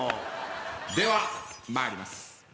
では参ります。